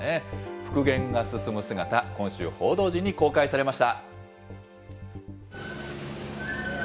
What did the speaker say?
復元が進む姿、今週、報道陣に公開されました。